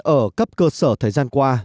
ở cấp cơ sở thời gian qua